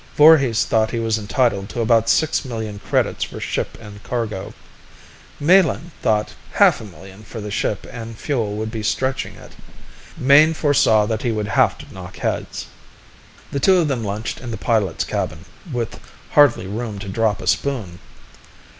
Voorhis thought he was entitled to about six million credits for ship and cargo; Melin thought half a million for the ship and fuel would be stretching it. Mayne foresaw that he would have to knock heads. The two of them lunched in the pilot's cabin, with hardly room to drop a spoon.